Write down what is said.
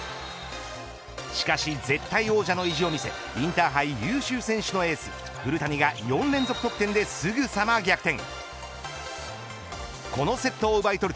しかし絶対王者の意地を見せインターハイ優秀賞エース古谷の４連続得点ですぐさま逆転。